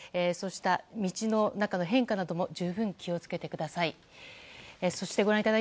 そうした道の中の変化なども十分気を付けてください。